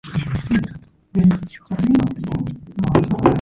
They are known by the red staves which they carry.